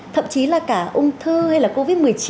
thậm chí là cả ung thư hay là covid một mươi chín